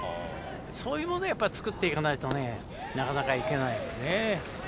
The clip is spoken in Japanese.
そういうものを作っていかないとなかなか行けないですね。